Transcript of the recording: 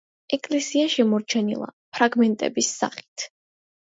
ეკლესია შემორჩენილია ფრაგმენტების სახით.